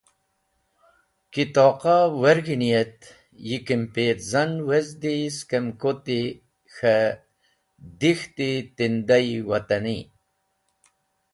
Ki toaqa werg̃heni et yi kampirzan wezdi skem kuti k̃he dek̃hti tinda-e watani.